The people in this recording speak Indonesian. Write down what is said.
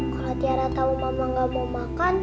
kalau tiara tahu mama gak mau makan